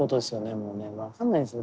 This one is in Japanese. もう分かんないですよね